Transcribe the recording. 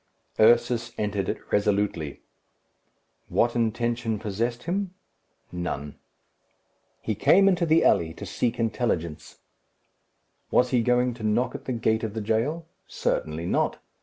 Ursus entered it resolutely. What intention possessed him? None. He came into the alley to seek intelligence. Was he going to knock at the gate of the jail? Certainly not.